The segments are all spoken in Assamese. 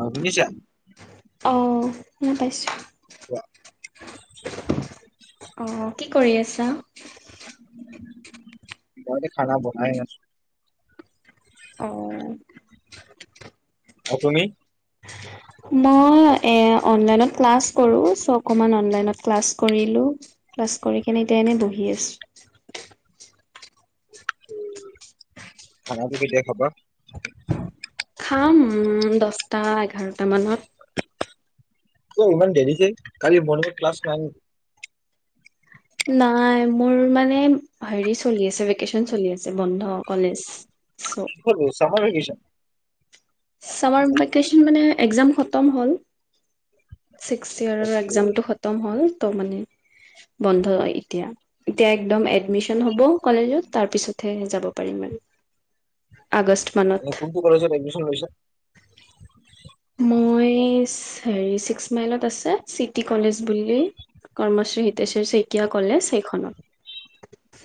অ শুনিচা? উম পাইছোঁ। বা। অঁ, কি কৰি আছা? মই এতিয়া খানা বনাই আছোঁ। অ অ তুমি? মই এ অনলাইনত ক্লাছ কৰো চ অকমান অনলাইনত ক্লাছ কৰিলো। ক্লাছ কৰি কেনে এতিয়া এনেই বহি আছো। খানাটো কেতিয়া খাবা? খাম দছটা এঘাৰ কিয় ইমান দেৰিকে কালি মৰ্নিং ক্লাছ নাই নেকি? নাই মোৰ মানে হেৰি চলি আছে ভেকেচন চলি আছে বন্ধ কলেজ। চ। কি হ'ল চামাৰ ভেকেচন। চামাৰ ভেকচন মানে একজাম খতম হ'ল। ছিক্স ইয়াৰৰ অ'কে, এক্সমটো খতম হল ত মানে। বন্ধ এতিয়া এতিয়া একদম এডমিচন হব কলেজত তাৰ পিছতহে যাব পাৰিম। [inaudible] মানত। কোনটো কলেজত এডমিচন লৈছা? মই হেৰি ছিক্স মাইলত আছে চিটি কলেজ বুলি ক শ্ৰী হিতেশ্বৰ শইকীয়া কলেজ সেইখনত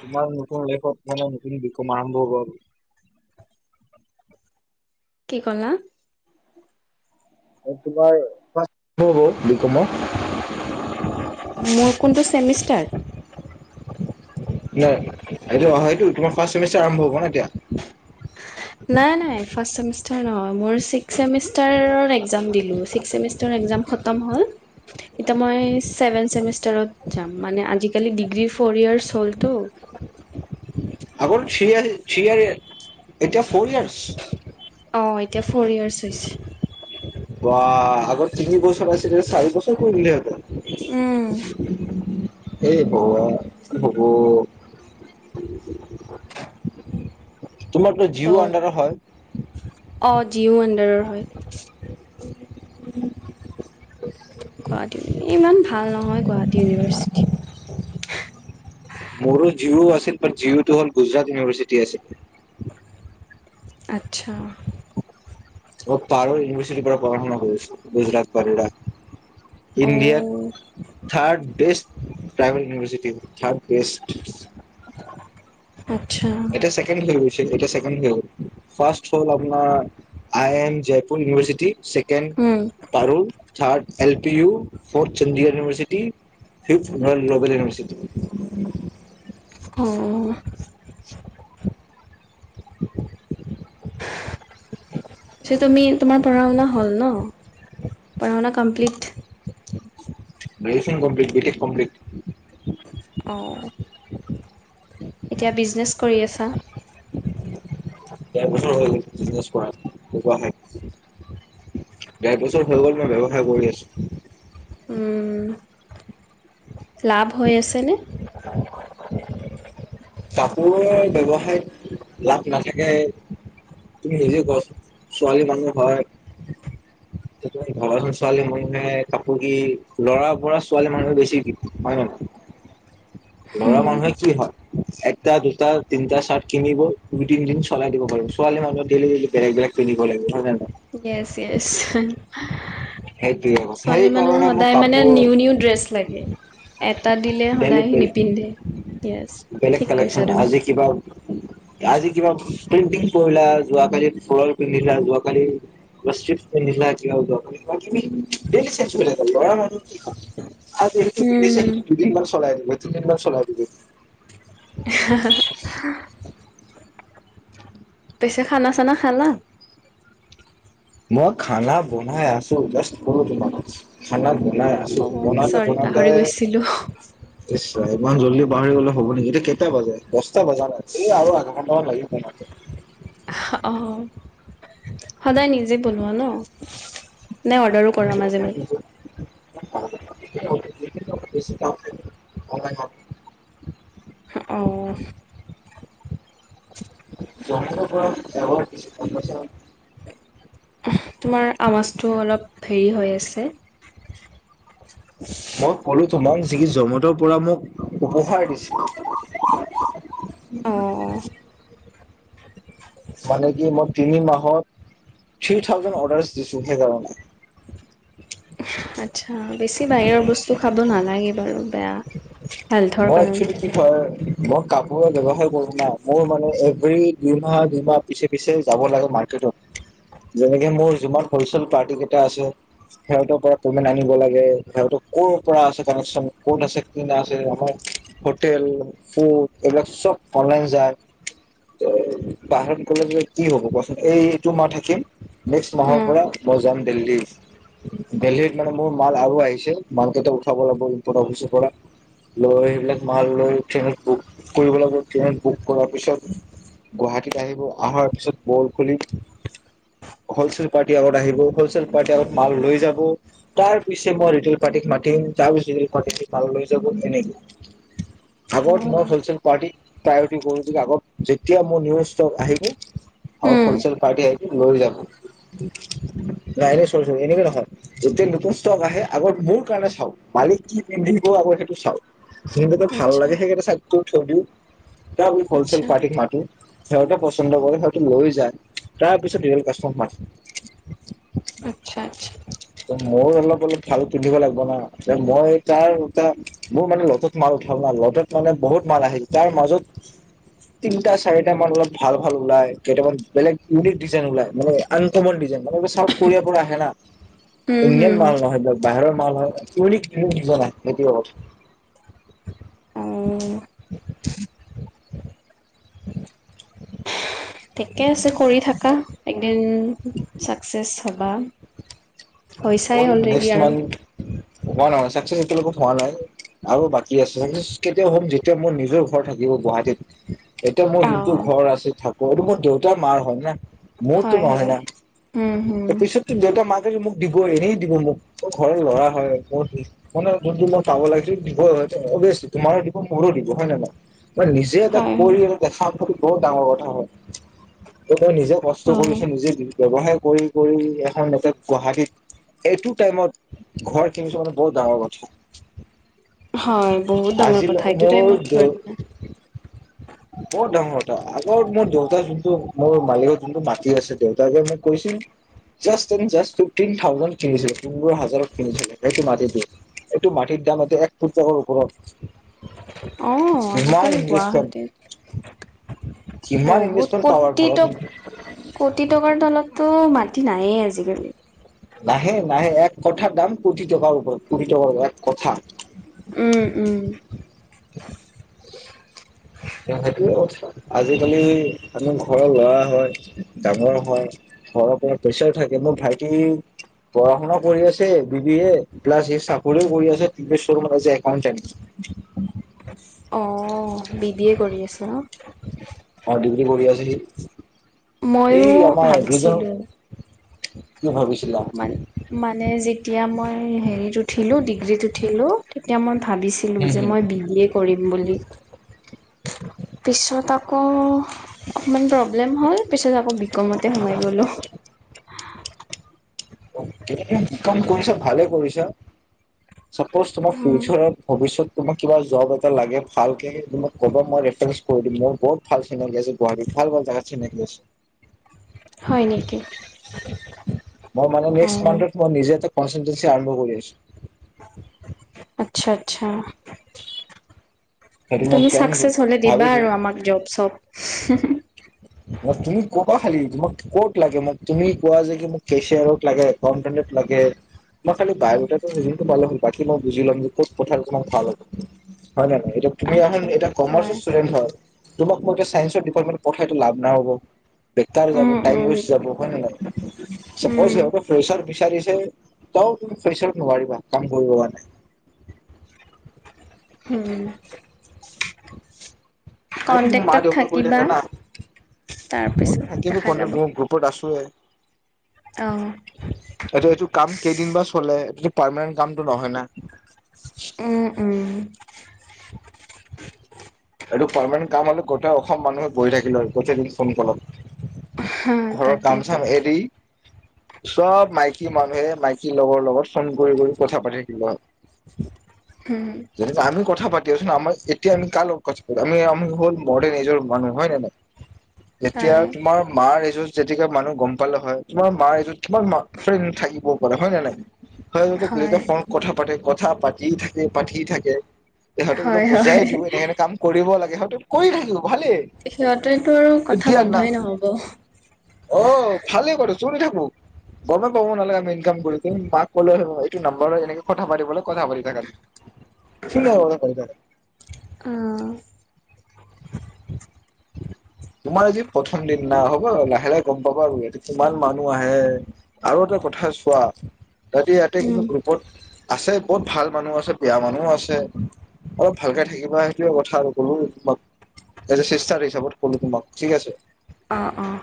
তোমাৰ নতুন লাইফত মানে নতুন বিকম আৰম্ভ হোৱা বুলি কি কলা? তোমাৰ [unintelligible] বিকমৰ মোৰ কোনটো ছেমিষ্টাৰ? নাই এইটো অ', এইটো তোমাৰ ফাষ্ট ছেমিষ্টাৰ আৰম্ভ হ'ব ন' এতিয়া। নাই-নাই ফাষ্ট ছেমিষ্টাৰ নহয় মোৰ ছিক্স ছেমিষ্টাৰৰ এক্সাম দিলোঁ ছিক্স ছেমিষ্টাৰৰ এক্সাম খতম হ'ল। এতিয়া মই ছেভেন চেমিষ্টাৰত যাম মানে আজিকালি ডিগ্ৰী ফ'ৰ ইয়াৰ্চ হ'লটো। আগতে থ্ৰী ইয়াৰ্ছ থ্ৰী ইয়াৰ এতিয়া ফৰ ইয়াৰ্ছ। অ' এতিয়া ফ'ৰ ইয়াৰ্চ হৈছে। বাহ আগত তিনি বছৰ আছিলে এতিয়া চাৰি বছৰ কৰি দিলে ইহঁতে। উম' এ ভগৱান কি হব। তোমাৰতো ত' জিউ আণ্ডাৰৰ হয়। অ', জিও আডাৰৰ হয়। গুৱাহাটী, ইমান ভাল নহয় গুৱাহাটী ইউনিভাৰ্চিটি। মোৰো জি'অ আছিল, বাত জি'অটো হ'ল গুজৰাট ইউনিভাৰ্চিটি আছিল। আচ্ছা। অ', পাৰুল ইউনিভাৰ্চিটিৰ পৰা পঢ়া শুনা কৰিছোঁ গুজৰাট বড়োদৰা। অ', ইণ্ডিয়াত third best private university, third best. আচ্ছা এতিয়া ছেকেণ্ড হৈ গৈছে, এতিয়া ছেকেণ্ড হ'ল ফাৰ্ষ্ট হ'ল আপোনাৰ I M Jaipur University um, second Parul third L P U, fourth Chandigarh University fifth Royal Global University. অ'অ' [inaudible] তুমি তোমাৰ পঢ়া শুনা হ'ল ন, পঢ়া শুনা কমপ্লিট। দেচিং কমপ্লিত বিতেক কমপ্লিট। অ' এতিয়া বিজনেচ কৰি আছা। ডেৰ বছৰ হৈ গ'ল বিজনেছ কৰা গুৱাহাটীত। ডেৰ বছৰ হৈ গ'ল মই ব্যৱসায় কৰি আছোঁ। উম, লাভ হৈ আছেনে? [inaudible] কাপোৰৰ ব্যৱসায়ত লাভ নাথাকে তুমি নিজে কোৱাছোন? ছোৱালী মানুহ হয়। ভাবাচোন ছোৱালী মানুহে কাপোৰ কি ল'ৰাৰ পৰা ছোৱালী মানুহে বেছি কিনে, হয় নহয়। ল'ৰা মানুহে কি হয় এটা দুটা তিনিটা চাৰ্ট কিনিব দুই তিন দিন চলাই দিব পাৰিব। ছোৱালী মানুহে ডেইলি ডেইলি বেলেগ বেলেগ পিন্ধিব লাগিব হয় নে নহয়। য়েছ য়েছ সেইটোৱে কথা ছোৱালী মানুহৰ সেইকাৰণে মোক সদায় মানে কাপোৰ নিউ নিউ ড্ৰেছ লাগে। এটা দিলে ডেইলি সদায় বেলেগ নিপিন্ধে। য়েছ বেলেগ ঠিক কৈছা কালেকচন, তুমি। আজি কিবা আজি কিবা প্ৰিন্টিং পহিলা যোৱা কালি ফ্ৰক পিন্ধিলা যোৱা কালি কিবা চিক পিন্ধিলা [unintelligible] ডি চেচৰা আৰু [unintelligible] আৰু বিদেশ উম, [unintelligible] দুদিন মমান চলাই দিব তিনিদিনমান চলাই দিব [unintelligible] পিছে খানা চানা খালা? মই খানা বনাই আছো জাষ্ট কলো তোমাক। খানা বনাই আছো অ', বনাওতে চৰি বনাওতে পাহৰি গৈছিলো ইমান জল্দি পাহৰি গলে হ'ব নেকি, এ কেইটা বাজে দহটা বজা নাই, আৰু আধ ঘণ্টামান লাগিব বনাওঁতে। অ', সদায় নিজে বনোৱা ন, নাই অৰ্ডাৰো কৰা মাজে মাজে। [inaudible] অ' [inaudible] তোমাৰ আৱাজটো অলপ হেৰি হৈ আছে। মই ক'লো তোমাক যি জমেতৰ পৰা মোক উপহাৰ দিছে। অ' মানে কি মই তিনি মাহত থ্ৰী থাউজেণ্ড অৰ্ডাৰছ দিছো সেইকাৰণে। আচ্ছা বেছি বাহিৰৰ বস্তু খাব নালাগে বাৰু বেয়া। হেল্থৰ মই কাৰণে। এক্সুৱেলি কি হয় মই কাপোৰে ব্যৱসায় ক'ৰো না, মোৰ মানে এভ্ৰি দুইমাহ দুইমাহ পিছে পিছে যাব লাগে মাৰ্কেট আৰু যেনেকে মোৰ যিমান হলচেল পাৰ্টি কেইটা আছে সিহঁতৰ পৰা কমেন্ট আনিব লাগে। সিহঁতৰ ক'ৰ পৰা আছে কানেকচন কত আছে কি ন আছে আমাৰ। হোটেল ফুড এইবিলাক চব অনলাইন যায়। ত বাহিৰত গ'লেগৈ কি হ'ব কোৱাচোন এইটো মাহ থাকিম। নেক্সট মাহৰ উম পৰা মই যাম দিল্লী। দেল্হীত মানে মোৰ মাল আৰু আহিছে, মালকেইটা উঠাব লাগিব ইম্পৰ্ত অফিছৰ পৰা লৈ আহি সেইবিলাক মাল লৈ ট্ৰেইনত বুক কৰিব লাগিব, ট্ৰেইনত বুক কৰাৰ পিছত গুৱাহাটীত আহিব, অহাৰ পিছত বল খুলি হ'লচেল পাৰ্টি আগত আহিব, হ'লচেল পাৰ্টিৰ আগত মাল লৈ যাব, তাৰ পিছে মই ৰিটেল পাৰ্টি মাতিম যা যি ভাল লৈ যাব তেনেকে আগত মই অ'। হলচেল পাৰ্টিক প্ৰায়ৰিটি কৰো যে আগত যেতিয়া মোৰ নিউ ষ্টক আহিব। আৰু উম হলচেল পাৰ্টি আহি লৈ যাব। নাই এনে [unintelligible] এনেকে নহয় এতিয়া নতুন ষ্টক আহে আগত মোৰ কাৰণে চাওক। মালিক কি পিন্ধিব আকৌ সেইটো চাওঁ। যোনকেইটা ভাল আচ্ছা লাগে সেইকেইটা চাইট কৰি থৈ দিও হলচেল আচ্ছা পাৰ্টিক মাতো। সিহঁতে পচন্দ কৰে সিহঁতে লৈ যায় তাৰ পিছত [unintelligible] আচ্ছা আচ্ছা। মই অলপ অলপ ভাল পিন্ধিব লাগিব না মই তাৰ এটা। মোৰ মানে লতত মাল উঠাও ন লতত মানে বহুত মাল আহিল তাৰ মাজত। তিনটা চাৰিটা মান অলপ ভাল ভাল ওলাই কেইটামান বেলেগ ইউনিক ডিজাইন ওলাই মানে আনকমন ডিজাইন। মানে চাওথ কোৰিয়াৰ পৰা আহে না। উম ইণ্ডিয়ান হুম মাল নহয় দিয়ক বাহিৰৰ মাল হয় [unintelligible] অ'। [inaudible] ঠিকে আছে কৰি থাকা একদিন চাকচেচ হবা। হৈছাই অলৰেডি আৰু। [unintelligible] চাকচেচ এতিয়া লৈ হোৱা নাই। আৰু বাকী আছে কেতিয়াও হম যেতিয়া মোৰ নিজৰ ঘৰ থাকিব গুৱাহাটীত এতিয়া মোৰ অ যোনটো ঘৰ ঘৰ আছে থাকো আৰুটো মোৰ দেউতাৰ মাৰ হয় ন। মোৰতো হয় নহয় ন হয়। উম হুম। ত পিছতটো দেউতা মা দিবই এনেই দিব মোক ঘৰৰ ল'ৰা হয় মই মানে যোনটো মই পাব লাগিছিল দিব হয়। [unintelligible] দিব হয় নে নহয়। মই নিজে এটা হয় কৰি হয়। এটা দেখা প্ৰতি বহুত ডাঙৰ কথা হয়। তেওঁ নিজে কষ্ট হয় কৰিছে নিজে ব্যৱসায় কৰি কৰি এখন গুৱাহাটীত এইটো টাইমত ঘৰ কিনিছো মানে বৰ ডাঙৰ কথা। হয় বহুত ডাঙৰ আছিল কথা এইটো মোৰ টাইমত ঘৰ য কিনা। বৰ ডাঙৰ অ মোৰ দেউতা যোনটো মোৰ মালিকৰ যোনটো মাতি আছে দেউতাকে মোক কৈছিল। [unintelligible] পোন্ধৰ হাজাৰত কিনছিল এইটো মাটি। একটো মাটিৰ দাম এটো এক কোটি টকাৰ ওপৰত। আহ ইমান আজিকালি ইনভেষ্টমেণ্ট গুৱাহাটীত ইমান বহুত ইনভেষ্টমেণ্ট পাৱাৰ কোতিত ভাবাচোন ট কোটি টকাৰ তলতো মাটি নাইেই আজিকালি। নাহে নাহে এক কথাৰ দাম কোটি টকাৰ ওৰত কোটি টকাৰ এক কথা। উম উম। সেইটোৱে কথা আজিকালি আমি ঘৰৰ লৰা হয় ডাঙৰ হয়। ঘৰৰ পৰা প্ৰেচাৰ থাকে মোৰ ভাইটি পঢ়া শুনাও কৰি আছে B B A plus C চাকৰিও কৰি আছে [unintelligible] শ্বোৰোমত আজি একাউণ্টেণ্ট। অ, বি বি এ কৰি আছে ন? অ, ডিগ্ৰী পঢ়ি আছে সি। ময়ো এই আমাৰ ৰিজ ভাবিছিলোঁ মান-মানে যেতিয়া মই হেৰিত উঠিলো ডিগ্ৰীত উঠিলোঁ তেতিয়া মন ভাবিছিলোঁ হম যে মই হম বি ডী এ কৰিম বুলি। পিছত আকৌ অকমান প্ৰব্লেম হল পিছত আকৌ বিকমতে সোমাই গলো। কাম কৰিছা ভালে কৰিছা। চাপোজ তোমাৰ উম, ফিউচাৰ ভৱিষ্যত। তোমাক কিবা জব এটা লাগে ভালকে তোমাক ক'বা মই ৰেফাৰেন্ঞ্চ কৰি দিম মোৰ বহুত ভাল চিনাকী আছে গুৱাহাটীত। ভাল ভাল জাগাত চিনাকি আছে। হয় নেকি। মই মানে নেক্সট অ', মান্ঠত মই নিজে এটা কন্চেনটেচি আৰম্ভ কৰি আছো। আচ্ছা আচ্ছা। [unintelligible] সেইটো মই তুমি প্লেন চাকচেচ হলে দিবা ভাবিছো আৰু আমাক জব- চব [unintelligible] অ, তুমি ক'বা খালি তোমাক ক'ত লাগে মোক তুমি কোৱা যে মোক কেচিয়াৰত লাগে একাউণ্টটেন্ট লাগে। মই খালি বায়ডেটাটো ৰিজিইউমটো পালে হল বাকী মই বুজি লম যে ক'ত কথা আলোচনা কৰাত ভাল হ'ব। হয় নে নহই এতিয়া তুমি আহোন আচ্ছা। এতিয়া হয়। কমাৰ্চৰ ষ্টুডেট হয় তোমাক মই এতিয়া চাইন্সৰ ডিপাৰ্টমেণ্ট পঠ ইটো লাভ নহব। বেকাৰ যাব উম, টাইম উম। ৱেষ্ট যাব হয় ন নাই? চাপজ উম, সিহঁতৰ ফ্ৰেচাৰ বিচাৰিছে ত তুমি ফ্ৰেচাৰ নোৱাৰিবা কাম [unintelligible] নাই। হুম। [inaudible] আৰু মা - দেউতা কৰি থাকিবা থাকা না, তাৰপিছত [unintelligible] দেখা যাব গ্ৰুপত আছ টোৱে, অ'। এইটো এইটোৰ কাম কেইদিন বাৰু চলে [unintelligible] পাৰমানেণ্ট কামটো নহয় না? উম উম। এইটো পাৰমানেণ্ট কাম হলে গোটেই অসম মানুহে বহি থাকিলে আৰু গোটেই দিন ফোন কলত। হা ঘৰৰ কাম - তাকেইতো চাম এৰি চব মাইকী মানুহে মাইকীৰ লগৰ লগত ফোন কৰি কৰি কথা পাতি দিলে। [inaudible] যদি ত আমি কথা পাত দিয়চোন আমাৰ এতিয়া আমি কাৰ লগত কথা [unintelligible] আমি আমি হ'ল মডেৰণ এজৰ মানুহ হয় নে নাই? এতিয়া তাই তোমাৰ মাৰ এ জো যেতিকা মানুহ গম পালে হয়, তোমাৰ মা এইটোত তোমাৰ মা ফ্ৰেণ্ড থাকিবও পাৰা হয় নে নাই? হয় এইটো যেতিয়া ফন কথা পাতে, কথা পাতি থাকে, পাতি থাকে সিহঁতে বোলো হয়, বুজাই হয় দিও এনে এনে কাম কৰিব লাগে সিহঁত কৰি থাকিব। ভালে, সিহঁতেতো আৰু এ কথা দিয়া আপোনা, বন্ধই নহ'ব। অ ভালে বাৰু শুনি থাকো, গমে পাব নালাগে ইনকাম কৰোঁতে, মাক [unintelligible] নাম্বাৰৰ এনেকে কথা পাতিবলৈ কথা পাতি থাকাতো। [unintelligible] আহ। [inaudible] তোমাৰ আজি প্ৰথম দিন না হ'ব লাহে লাহে গম পাবা আৰু ইটো কিমান মানুহ আহে আৰু এ পঠাই‌‌ চোৱা‌ ইয়াতে ইয়াতে উম। গ্ৰুপত। আছে বহুত ভাল মানুহ আছে বেয়া মানুহ আছে। অলপ ভালকে থাকিবা সেইটোৱে কথা আৰু ক'লো তোমাক এজে চিচটাৰ হিচাপে ক'লো তোমাক ঠিক আছে। অ', অ'।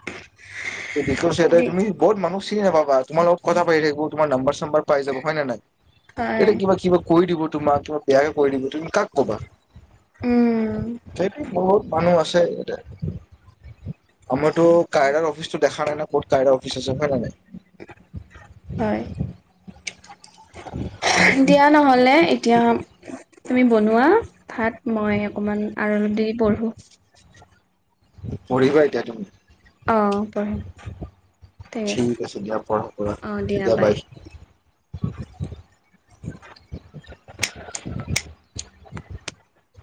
[unintelligible] দি তুমি বহুত মানুহ চিনি নাপাবা তোমাৰ লগত কথা পাতি থাকিব তোমাৰ নম্বৰ প্ৰথম বাৰ পায় যাব হয় নে নাই হয়, এতিয়া কিবা কিবা কৈ দিব তোমাক তোমাক বেয়াকে কৈ দিব তুমি কাক ক'বা উম, বহুত মানুহ আছে ইয়াতে আমাৰটো কায়াৰৰ অফিচটো দেখা নাই ন ক'ত কায়ৰাৰ অফিচ আছে হয় না নাই হয়। দিয়া নহলে এতিয়া তুমি বনোৱা ভাত মই অকণমান আৰল দি পঢ়োঁ। পঢ়িবা এতিয়া তুমি। অ পঢ়িম। ঠিক আছে। নকৈছে দিয়া পৰা অ', দিয়া চতিয়া বাই। [unintelligible]